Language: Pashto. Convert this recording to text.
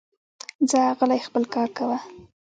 ځه غولی خپل کار کوه